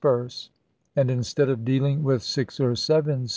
ar' perse; and instead of dealing with six or seven p.